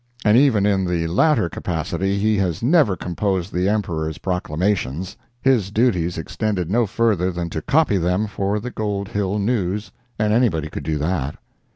And even in the latter capacity he has never composed the Emperor's proclamations; his duties extended no further than to copy them for the Gold Hill News, and anybody could do that.